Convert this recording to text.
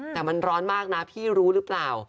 แต่มันร้อนมากนะพี่รู้หรือเปล่า